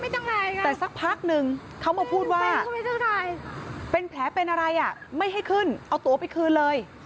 แต่สักพักนึงเขามาพูดว่าเป็นแผลเป็นอะไรอ่ะไม่ให้ขึ้นเอาตัวไปคืนเลย